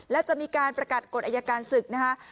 และจะมีการประกาศกฎอายการศึกนะคะ